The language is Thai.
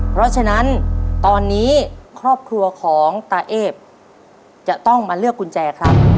เพราะฉะนั้นตอนนี้ครอบครัวของตาเอฟจะต้องมาเลือกกุญแจครับ